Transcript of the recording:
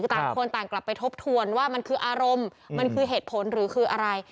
ต่างคนต่างกลับไปทบทวนว่ามันคืออารมณ์มันคือเหตุผลหรือคืออะไร